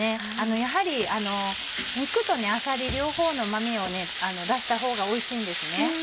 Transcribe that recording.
やはり肉とあさり両方のうま味を出したほうがおいしいんです。